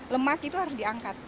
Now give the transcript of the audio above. lemak itu harus diangkat